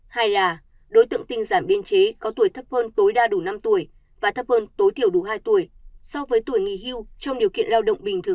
hai là đối tượng tinh giản biên chế có tuổi thấp hơn tối đa đủ năm tuổi và thấp hơn tối thiểu đủ hai tuổi so với tuổi nghỉ hưu